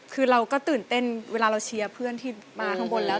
คือเราก็ตื่นเต้นเวลาเราเชียร์เพื่อนที่มาข้างบนแล้ว